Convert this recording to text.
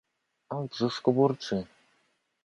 A w brzuszku burczy!